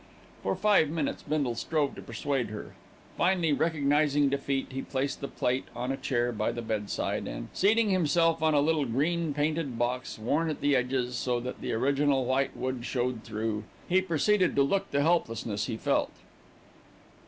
For five minutes, Bindle strove to persuade her. Finally, recognising defeat, he placed the plate on a chair by the bedside and, seating himself on a little green painted box, worn at the edges so that the original white wood showed through, he proceeded to look the helplessness he felt.